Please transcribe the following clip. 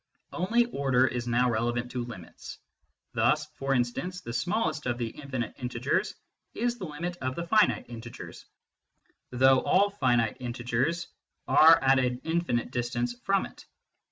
Only order is now relevant to limits. Thus, for instance, the smallest of the infinite integers is the limit of the finite integers, though all finite integers are at an infinite distance from it.